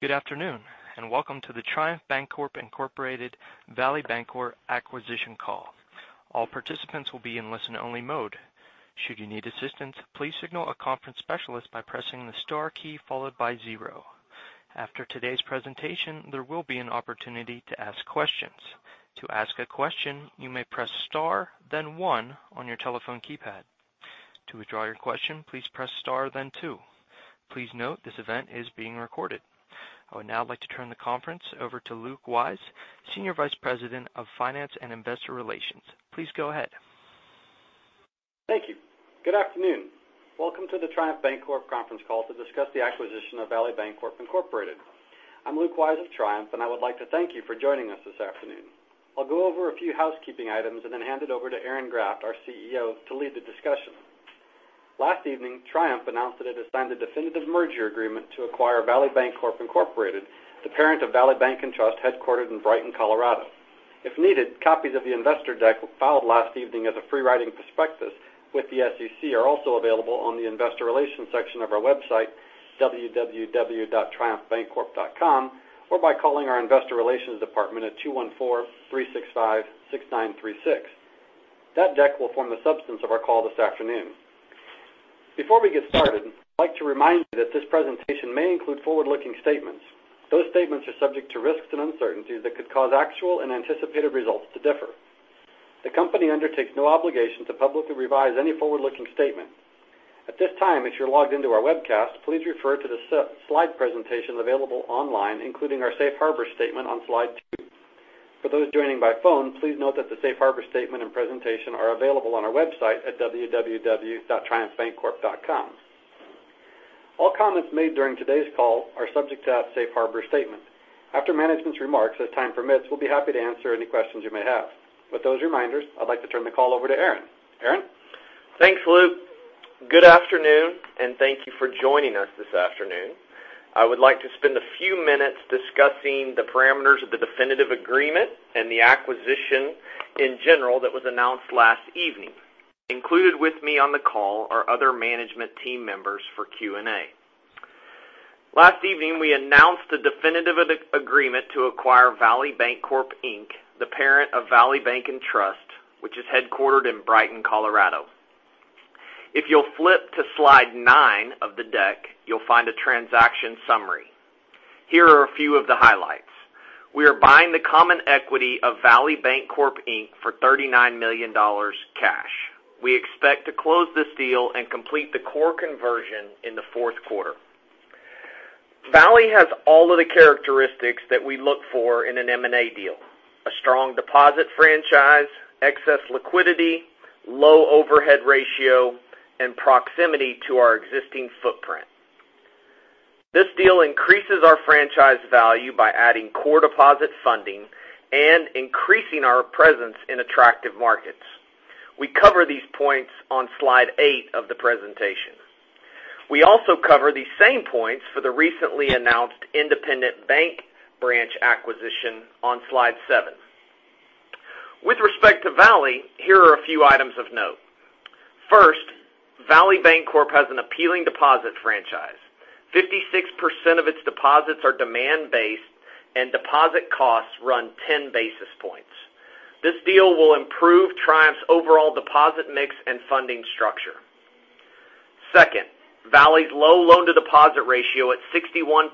Good afternoon, and welcome to the Triumph Bancorp Incorporated Valley Bancorp acquisition call. All participants will be in listen only mode. Should you need assistance, please signal a conference specialist by pressing the star key followed by 0. After today's presentation, there will be an opportunity to ask questions. To ask a question, you may press star then 1 on your telephone keypad. To withdraw your question, please press star then 2. Please note this event is being recorded. I would now like to turn the conference over to Luke Wyse, Senior Vice President of Finance and Investor Relations. Please go ahead. Thank you. Good afternoon. Welcome to the Triumph Bancorp conference call to discuss the acquisition of Valley Bancorp Incorporated. I'm Luke Wyse of Triumph, and I would like to thank you for joining us this afternoon. I'll go over a few housekeeping items and then hand it over to Aaron Graft, our CEO, to lead the discussion. Last evening, Triumph announced that it has signed a definitive merger agreement to acquire Valley Bancorp Incorporated, the parent of Valley Bank & Trust, headquartered in Brighton, Colorado. If needed, copies of the investor deck filed last evening as a free writing prospectus with the SEC are also available on the investor relations section of our website, www.triumphbancorp.com, or by calling our investor relations department at 214-365-6936. That deck will form the substance of our call this afternoon. Before we get started, I'd like to remind you that this presentation may include forward-looking statements. Those statements are subject to risks and uncertainties that could cause actual and anticipated results to differ. The company undertakes no obligation to publicly revise any forward-looking statement. At this time, if you're logged into our webcast, please refer to the slide presentation available online, including our safe harbor statement on slide two. For those joining by phone, please note that the safe harbor statement and presentation are available on our website at www.triumphbancorp.com. All comments made during today's call are subject to that safe harbor statement. After management's remarks, as time permits, we'll be happy to answer any questions you may have. With those reminders, I'd like to turn the call over to Aaron. Aaron? Thanks, Luke. Good afternoon, and thank you for joining us this afternoon. I would like to spend a few minutes discussing the parameters of the definitive agreement and the acquisition in general that was announced last evening. Included with me on the call are other management team members for Q&A. Last evening, we announced the definitive agreement to acquire Valley Bancorp Inc, the parent of Valley Bank & Trust, which is headquartered in Brighton, Colorado. If you'll flip to slide nine of the deck, you'll find a transaction summary. Here are a few of the highlights. We are buying the common equity of Valley Bancorp Inc for $39 million cash. We expect to close this deal and complete the core conversion in the fourth quarter. Valley has all of the characteristics that we look for in an M&A deal, a strong deposit franchise, excess liquidity, low overhead ratio, and proximity to our existing footprint. This deal increases our franchise value by adding core deposit funding and increasing our presence in attractive markets. We cover these points on slide eight of the presentation. We also cover these same points for the recently announced Independent Bank branch acquisition on slide seven. With respect to Valley, here are a few items of note. First, Valley Bancorp has an appealing deposit franchise. 56% of its deposits are demand-based and deposit costs run ten basis points. This deal will improve Triumph's overall deposit mix and funding structure. Second, Valley's low loan-to-deposit ratio at 61%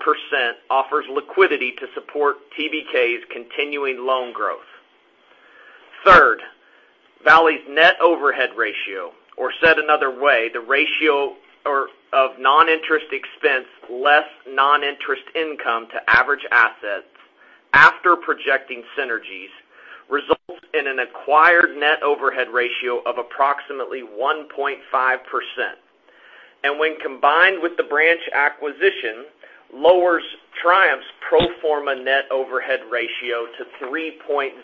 offers liquidity to support TBK's continuing loan growth. Third, Valley's net overhead ratio, or said another way, the ratio of non-interest expense less non-interest income to average assets after projecting synergies, results in an acquired net overhead ratio of approximately 1.5%, and when combined with the branch acquisition, lowers Triumph's pro forma net overhead ratio to 3.01%.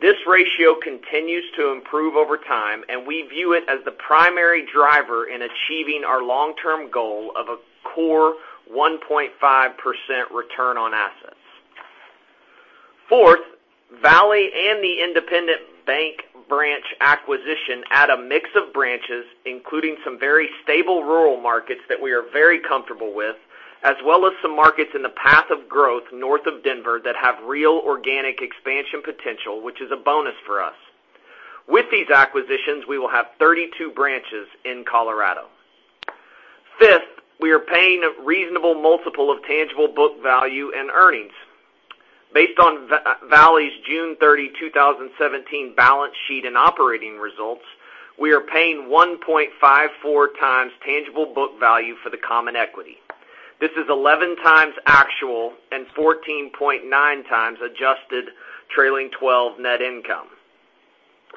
This ratio continues to improve over time, and we view it as the primary driver in achieving our long-term goal of a core 1.5% return on assets. Fourth, Valley and the Independent Bank branch acquisition add a mix of branches, including some very stable rural markets that we are very comfortable with, as well as some markets in the path of growth north of Denver that have real organic expansion potential, which is a bonus for us. With these acquisitions, we will have 32 branches in Colorado. Fifth, we are paying a reasonable multiple of tangible book value and earnings. Based on Valley's June 30, 2017, balance sheet and operating results, we are paying 1.54x tangible book value for the common equity. This is 11 times actual and 14.9 times adjusted trailing twelve net income.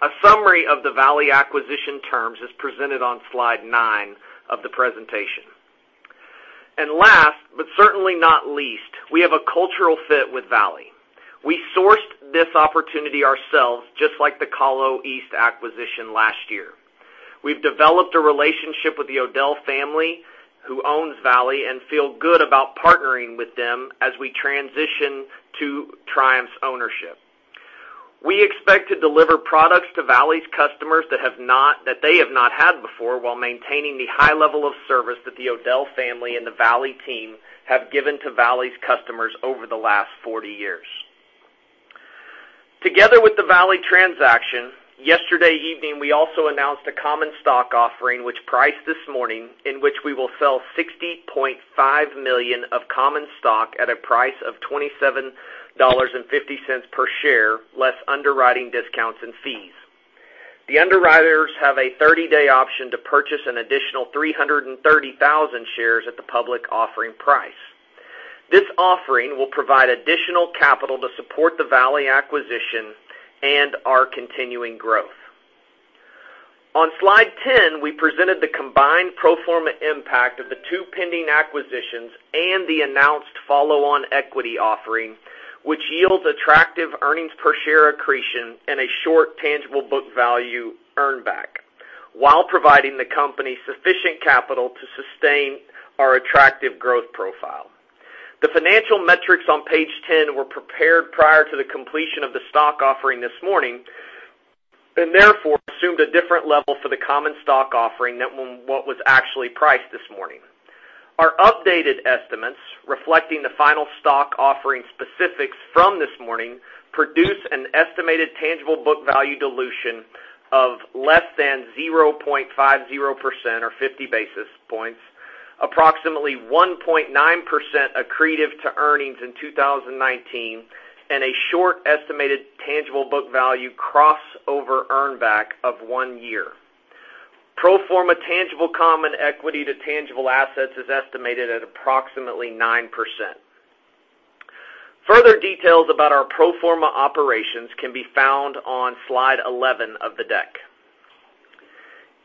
A summary of the Valley acquisition terms is presented on slide nine of the presentation. Last, but certainly not least, we have a cultural fit with Valley. We sourced this opportunity ourselves, just like the ColoEast acquisition last year. We've developed a relationship with the O'Dell family, who owns Valley, and feel good about partnering with them as we transition to Triumph's ownership. We expect to deliver products to Valley's customers that they have not had before while maintaining the high level of service that the O'Dell family and the Valley team have given to Valley's customers over the last 40 years. Together with the Valley transaction, yesterday evening, we also announced a common stock offering which priced this morning, in which we will sell $60.5 million of common stock at a price of $27.50 per share, less underwriting discounts and fees. The underwriters have a 30-day option to purchase an additional 330,000 shares at the public offering price. This offering will provide additional capital to support the Valley acquisition and our continuing growth. On slide 10, we presented the combined pro forma impact of the two pending acquisitions and the announced follow-on equity offering, which yields attractive earnings per share accretion and a short tangible book value earn back, while providing the company sufficient capital to sustain our attractive growth profile. The financial metrics on page 10 were prepared prior to the completion of the stock offering this morning, and therefore assumed a different level for the common stock offering than what was actually priced this morning. Our updated estimates, reflecting the final stock offering specifics from this morning, produce an estimated tangible book value dilution of less than 0.50% or 50 basis points, approximately 1.9% accretive to earnings in 2019, and a short estimated tangible book value crossover earn back of one year. Pro forma tangible common equity to tangible assets is estimated at approximately 9%. Further details about our pro forma operations can be found on slide 11 of the deck.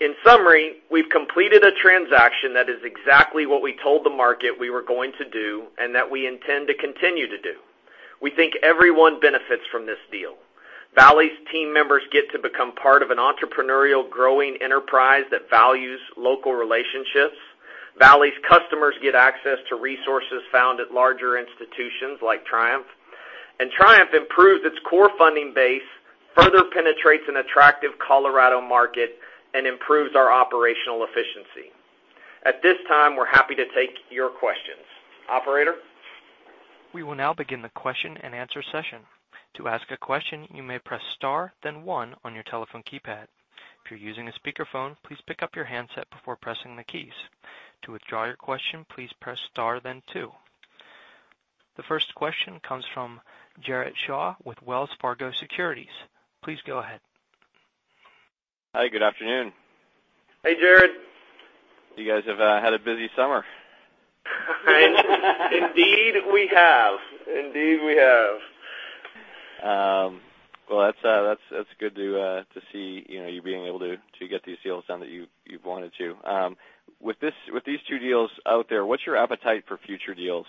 In summary, we've completed a transaction that is exactly what we told the market we were going to do and that we intend to continue to do. We think everyone benefits from this deal. Valley's team members get to become part of an entrepreneurial growing enterprise that values local relationships. Valley's customers get access to resources found at larger institutions like Triumph. Triumph improves its core funding base, further penetrates an attractive Colorado market, and improves our operational efficiency. At this time, we're happy to take your questions. Operator? We will now begin the question and answer session. To ask a question, you may press star then one on your telephone keypad. If you're using a speakerphone, please pick up your handset before pressing the keys. To withdraw your question, please press star then two. The first question comes from Jared Shaw with Wells Fargo Securities. Please go ahead. Hi, good afternoon. Hey, Jared. You guys have had a busy summer. Indeed, we have. Well, that's good to see you being able to get these deals done that you've wanted to. With these two deals out there, what's your appetite for future deals?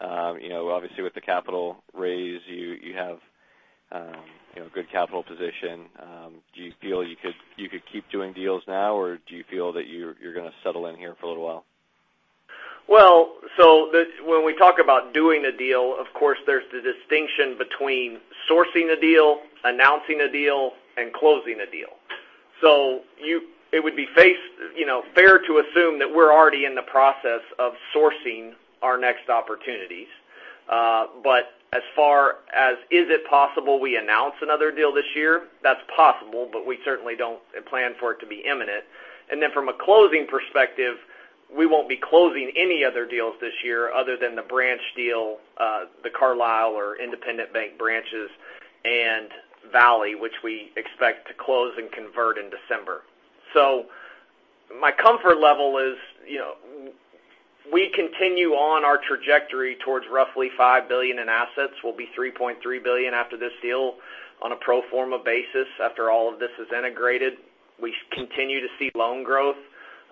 Obviously, with the capital raise, you have good capital position. Do you feel you could keep doing deals now, or do you feel that you're going to settle in here for a little while? When we talk about doing a deal, of course, there's the distinction between sourcing a deal, announcing a deal, and closing a deal. It would be fair to assume that we're already in the process of sourcing our next opportunities. As far as is it possible we announce another deal this year, that's possible, but we certainly don't plan for it to be imminent. From a closing perspective, we won't be closing any other deals this year other than the branch deal, the Carlisle or Independent Bank branches, and Valley, which we expect to close and convert in December. My comfort level is, we continue on our trajectory towards roughly $5 billion in assets. We'll be $3.3 billion after this deal on a pro forma basis after all of this is integrated. We continue to see loan growth.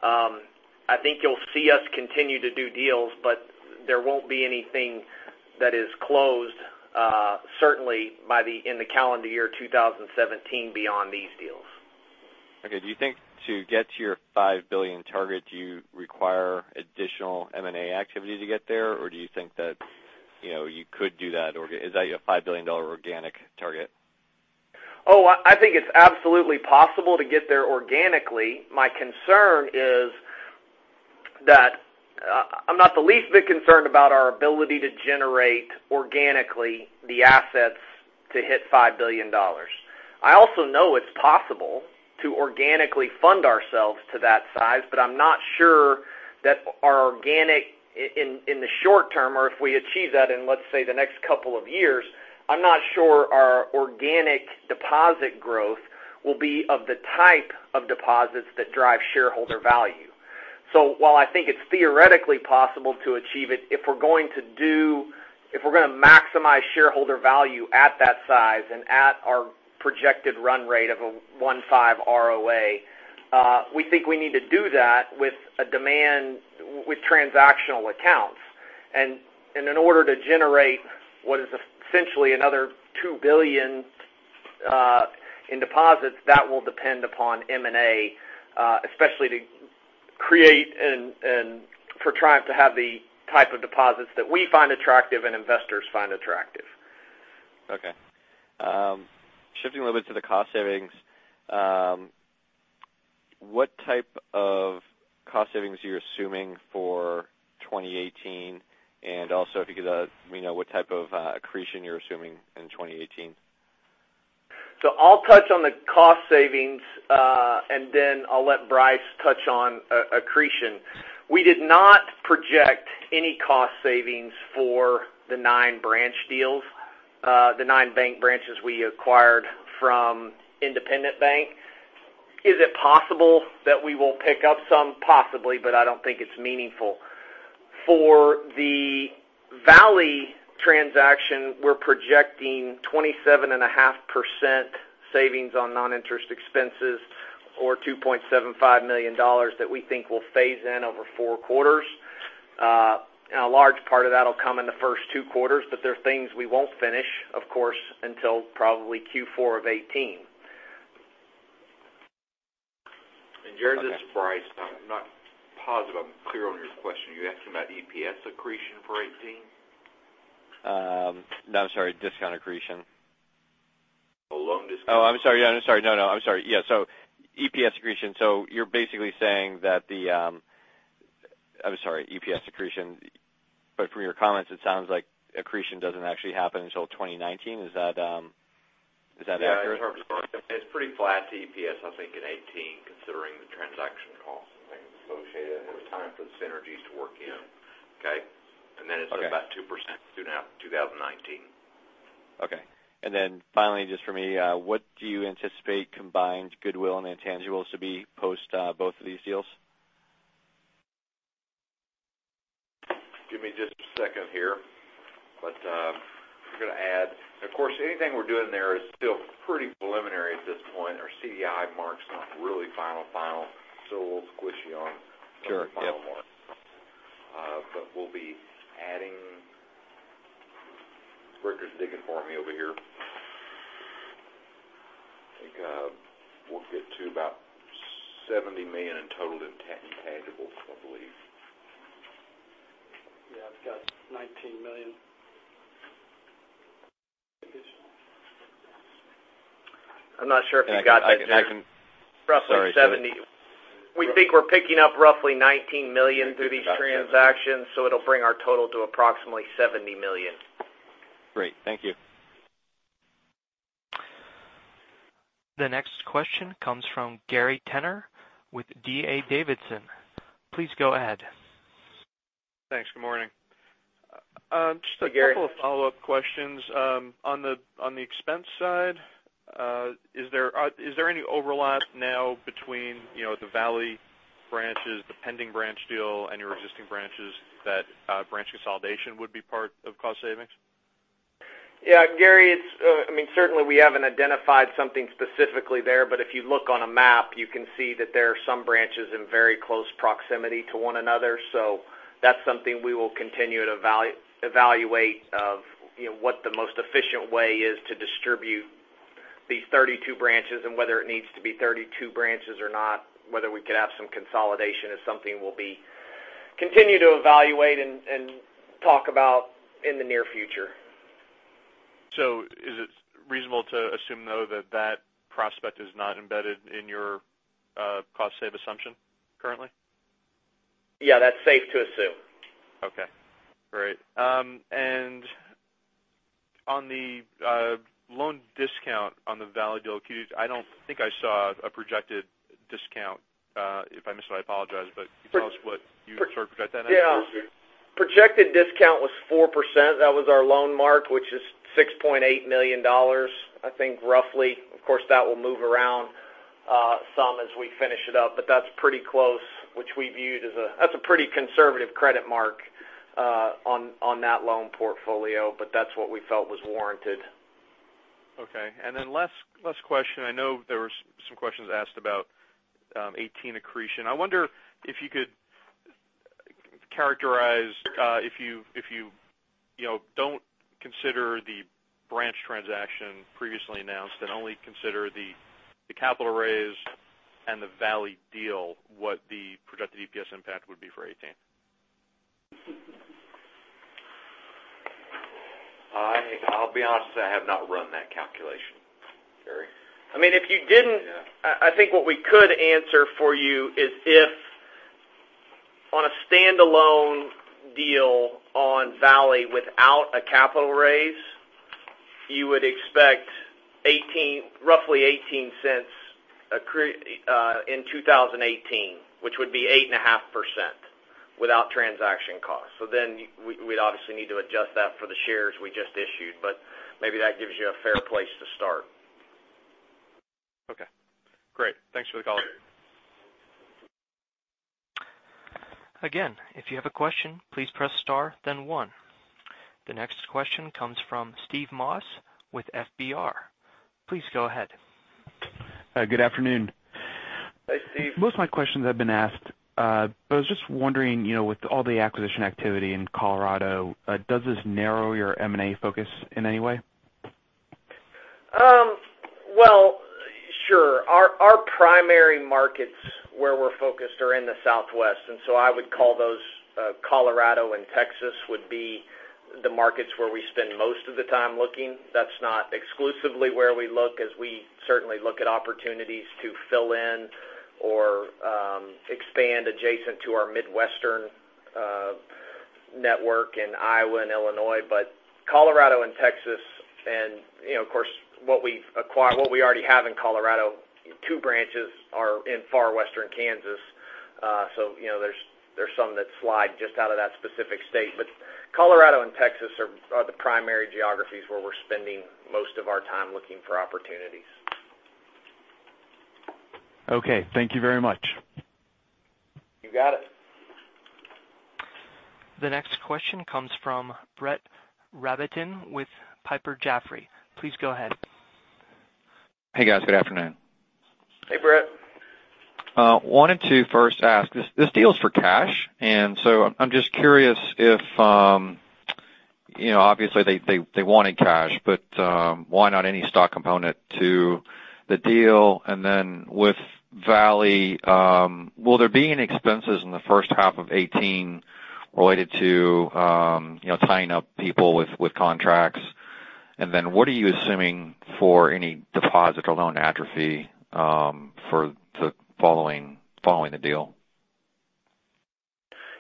I think you'll see us continue to do deals, there won't be anything that is closed certainly in the calendar year 2017 beyond these deals. Okay. Do you think to get to your $5 billion target, do you require additional M&A activity to get there? Or do you think that you could do that? Is that a $5 billion organic target? I think it's absolutely possible to get there organically. My concern is that I'm not the least bit concerned about our ability to generate organically the assets to hit $5 billion. I also know it's possible to organically fund ourselves to that size, I'm not sure that our organic in the short term, or if we achieve that in, let's say, the next couple of years, I'm not sure our organic deposit growth will be of the type of deposits that drive shareholder value. While I think it's theoretically possible to achieve it, if we're going to maximize shareholder value at that size and at our projected run rate of a 1.5 ROA, we think we need to do that with transactional accounts. In order to generate what is essentially another $2 billion in deposits, that will depend upon M&A, especially to create and for Triumph to have the type of deposits that we find attractive and investors find attractive. Okay. Shifting a little bit to the cost savings, what type of cost savings are you assuming for 2018? Also if you could let me know what type of accretion you're assuming in 2018. I'll touch on the cost savings, and then I'll let Bryce touch on accretion. We did not project any cost savings for the nine branch deals, the nine bank branches we acquired from Independent Bank. Is it possible that we will pick up some? Possibly, but I don't think it's meaningful. For the Valley transaction, we're projecting 27.5% savings on non-interest expenses or $2.75 million that we think will phase in over four quarters. A large part of that'll come in the first two quarters, but there are things we won't finish, of course, until probably Q4 of 2018. Jared, this is Bryce. I'm not positive I'm clear on your question. You're asking about EPS accretion for 2018? No, I'm sorry. Discount accretion. Loan discount. Oh, I'm sorry. Yeah, EPS accretion. You're basically saying that the I'm sorry, EPS accretion. From your comments, it sounds like accretion doesn't actually happen until 2019. Is that accurate? Yeah, it's pretty flat to EPS, I think in 2018, considering the transaction costs and things associated and there's time for the synergies to work in. Okay? Okay. then it's about 2% through now 2019. Okay. Then finally, just for me, what do you anticipate combined goodwill and intangibles to be post both of these deals? Give me just a second here, we're going to add Of course, anything we're doing there is still pretty preliminary at this point. Our CDI mark's not really final final, still a little squishy. Sure, yep the final mark. We'll be adding, Rick is digging for me over here. I think we'll get to about $70 million in total intangibles, I believe. Yeah, I've got $19 million. I'm not sure if you got that, Jared. Sorry. Roughly 70. We think we're picking up roughly $19 million through these transactions, so it'll bring our total to approximately $70 million. Great. Thank you. The next question comes from Gary Tenner with D.A. Davidson. Please go ahead. Thanks. Good morning. Hey, Gary. Just a couple of follow-up questions. On the expense side, is there any overlap now between the Valley branches, the pending branch deal, and your existing branches that branch consolidation would be part of cost savings? Yeah, Gary, certainly we haven't identified something specifically there. If you look on a map, you can see that there are some branches in very close proximity to one another. That's something we will continue to evaluate of what the most efficient way is to distribute these 32 branches and whether it needs to be 32 branches or not, whether we could have some consolidation is something we'll continue to evaluate and talk about in the near future. Is it reasonable to assume, though, that that prospect is not embedded in your cost save assumption currently? Yeah, that's safe to assume. Okay, great. On the loan discount on the Valley deal, because I don't think I saw a projected discount. If I missed it, I apologize, but can you tell us what you sort of project that at? Yeah. Projected discount was 4%. That was our loan mark, which is $6.8 million, I think roughly. Of course, that will move around some as we finish it up, but that's pretty close, which we viewed as a pretty conservative credit mark on that loan portfolio. That's what we felt was warranted. Okay. Then last question, I know there were some questions asked about 2018 accretion. I wonder if you could characterize if you don't consider the branch transaction previously announced and only consider the capital raise and the Valley deal, what the projected EPS impact would be for 2018. I'll be honest, I have not run that calculation, Gary. If you didn't, I think what we could answer for you is if on a standalone deal on Valley without a capital raise, you would expect roughly $0.18 in 2018, which would be 8.5% without transaction costs. We'd obviously need to adjust that for the shares we just issued. Maybe that gives you a fair place to start. Okay, great. Thanks for the call. Again, if you have a question, please press star then one. The next question comes from Steve Moss with FBR. Please go ahead. Good afternoon. Hey, Steve. Most of my questions have been asked, but I was just wondering, with all the acquisition activity in Colorado, does this narrow your M&A focus in any way? Well, sure. Our primary markets where we're focused are in the Southwest. I would call those Colorado and Texas would be the markets where we spend most of the time looking. That's not exclusively where we look, as we certainly look at opportunities to fill in or expand adjacent to our Midwestern network in Iowa and Illinois. Colorado and Texas and, of course, what we already have in Colorado, two branches are in far western Kansas. There's some that slide just out of that specific state. Colorado and Texas are the primary geographies where we're spending most of our time looking for opportunities. Okay. Thank you very much. You got it. The next question comes from Brett Rabatin with Piper Jaffray. Please go ahead. Hey, guys. Good afternoon. Hey, Brett. Wanted to first ask, this deal is for cash, obviously they wanted cash, but why not any stock component to the deal? With Valley, will there be any expenses in the first half of 2018 related to tying up people with contracts? What are you assuming for any deposit or loan atrophy for following the deal?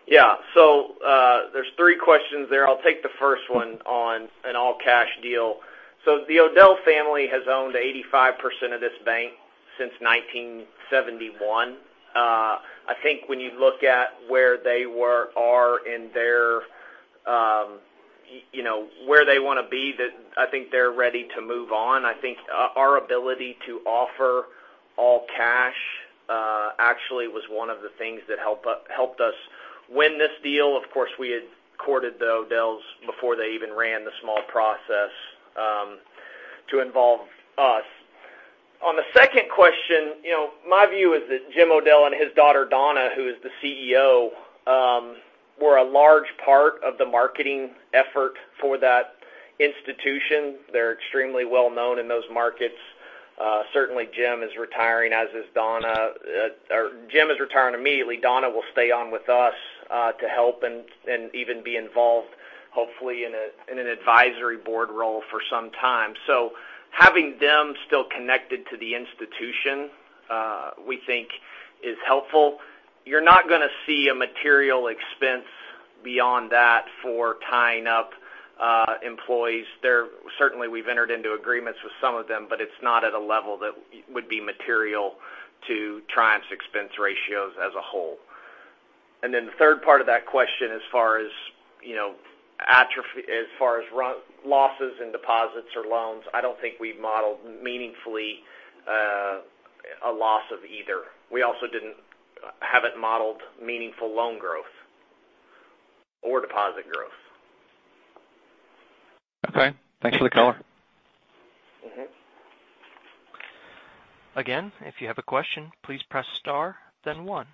Yeah. There's three questions there. I'll take the first one on an all-cash deal. The O'Dell family has owned 85% of this bank since 1971. I think when you look at where they are in where they want to be, I think they're ready to move on. I think our ability to offer all cash actually was one of the things that helped us win this deal. Of course, we had courted the O'Dells before they even ran the small process to involve us. On the second question, my view is that Jim O'Dell and his daughter, Donna, who is the CEO, were a large part of the marketing effort for that institution. They're extremely well-known in those markets. Certainly Jim is retiring, as is Donna. Jim is retiring immediately. Donna will stay on with us to help and even be involved, hopefully, in an advisory board role for some time. Having them still connected to the institution, we think is helpful. You're not going to see a material expense beyond that for tying up employees there. Certainly, we've entered into agreements with some of them, but it's not at a level that would be material to Triumph's expense ratios as a whole. The third part of that question, as far as losses in deposits or loans, I don't think we've modeled meaningfully a loss of either. We also haven't modeled meaningful loan growth or deposit growth. Okay. Thanks for the color. Again, if you have a question, please press star, then one.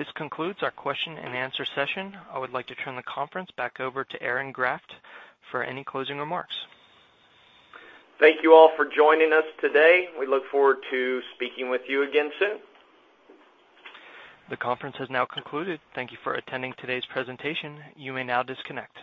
This concludes our question and answer session. I would like to turn the conference back over to Aaron Graft for any closing remarks. Thank you all for joining us today. We look forward to speaking with you again soon. The conference has now concluded. Thank you for attending today's presentation. You may now disconnect.